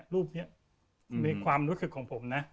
รูปนี้ในความรู้สึกของผมนะ